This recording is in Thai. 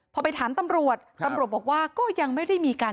พอไปถามตำรวจตำรวจบอกว่าก็ยังไม่ได้มีการ